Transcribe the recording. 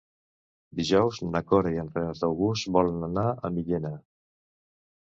Dijous na Cora i en Renat August volen anar a Millena.